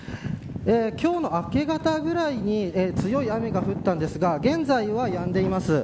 今日の明け方ぐらいに強い雨が降ったんですが現在は、やんでいます。